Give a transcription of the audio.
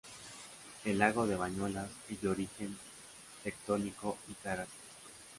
El lago de Bañolas es de origen tectónico y cárstico.